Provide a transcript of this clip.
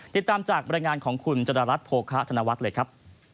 ติดตามจากบรรยายงานของคุณจดารัฐโภคะธนวัฒน์เลยครับ